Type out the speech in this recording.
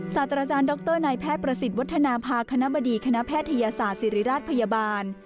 ศาสตราจารย์ดรนายแพทย์ประสิทธิ์วัฒนภาคณะบดีคณะแพทยศาสตร์ศิริราชพยาบาล